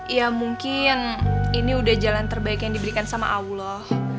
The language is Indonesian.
ya mungkin ini udah jalan terbaik yang diberikan sama allah